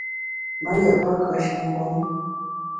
Me ghét pe kùeshe mgbom.